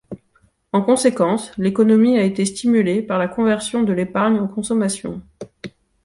En conséquence, l'économie a été stimulée par la conversion de l'épargne en consommation.